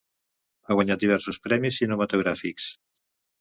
Ha guanyat diversos premis cinematogràfics.